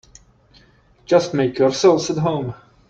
Just make yourselves at home.